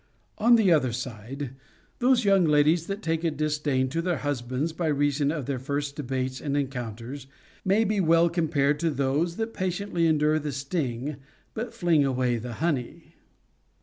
On the other side, those young ladies that take a disdain to their husbands by reason of their first debates and encounters may be well compared to those that patiently endure the sting but fling away the honey.